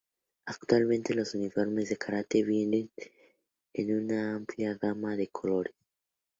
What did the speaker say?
Actualmente los uniformes de karate vienen en una amplia gama de colores.